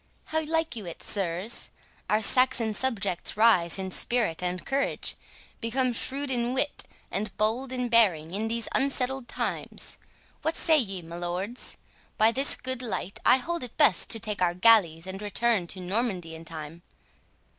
"How like you it, sirs?—Our Saxon subjects rise in spirit and courage; become shrewd in wit, and bold in bearing, in these unsettled times—What say ye, my lords?—By this good light, I hold it best to take our galleys, and return to Normandy in time."